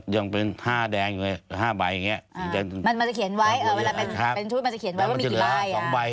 ยังเป็น๕แดงอยู่๕ใบอย่างนี้